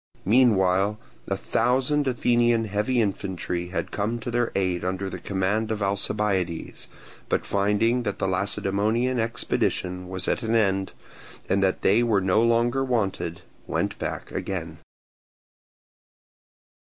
Meanwhile a thousand Athenian heavy infantry had come to their aid under the command of Alcibiades, but finding that the Lacedaemonian expedition was at an end, and that they were no longer wanted, went back again.